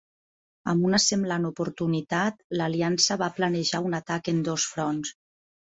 Amb una semblant oportunitat, l'Aliança va planejar un atac en dos fronts.